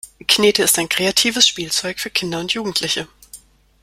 Knete ist ein kreatives Spielzeug für Kinder und Jugendliche.